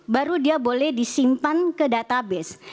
baru dia boleh disimpan ke database